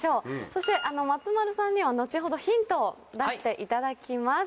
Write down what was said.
そして松丸さんには後ほどヒントを出していただきます。